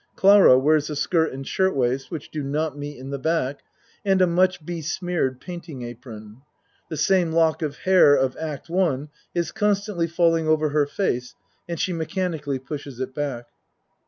Clara wears a skirt and shirt waist, which do not meet in the back, and a much be smeared painting apron. The same lock of hair of act one is constantly falling over her face and she mechanically pushes it back.